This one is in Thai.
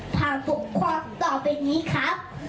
ผ่านบทความต่อไปนี้ครับ